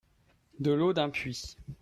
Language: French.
De l'eau d'un puits.